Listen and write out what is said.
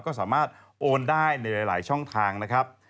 ก็สามารถโอนได้ในหลายช่องทางนะครับ